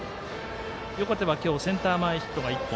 横手は今日センター前ヒットが１本。